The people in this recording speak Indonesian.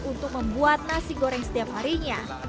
untuk membuat nasi goreng setiap harinya